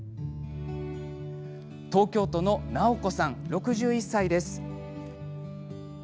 東京都の直子さん、６１歳です。